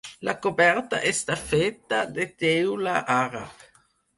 La coberta està feta de teula àrab.